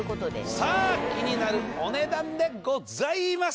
さぁ気になるお値段でございます。